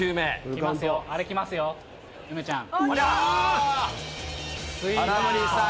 来ますよ、あれ来ますよ、梅ちゃん。